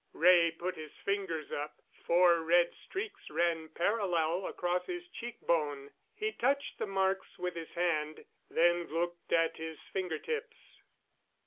Wray put his fingers up. Four red streaks ran parallel across his cheek bone. He touched the marks with his hand, then looked at his finger tips.